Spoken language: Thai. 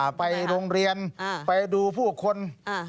ครับไปโรงเรียนไปดูผู้คนอ่า